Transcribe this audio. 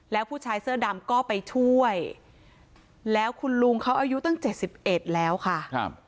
แล้วผู้ชายเสื้อดำก็ไปช่วยแล้วคุณลุงเขาอายุตั้ง๗๑แล้วค่ะ